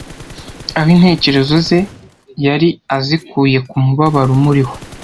Aho intekerezo ze yari azikuye ku mubabaro umuriho